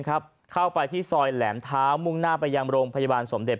เข้าไปที่ซอยแหลมเท้ามุ่งหน้าไปยังโรงพยาบาลสมเด็จ